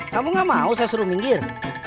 kamu gak mau saya suruh minggir